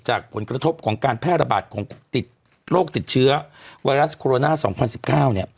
จากผลกระทบของการแพร่ระบาดของโรคติดเชื้อไวรัสโคโรนาสองพันสิบเก้าเนี่ย